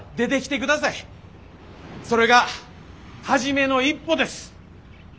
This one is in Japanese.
それが初めの一歩です。